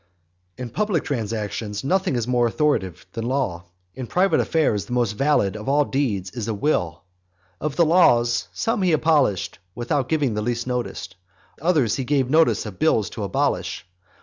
In public transactions nothing is more authoritative than law; in private affairs the most valid of all deeds is a will. Of the laws, some he abolished without giving the least notice; others he gave notice of bills to abolish.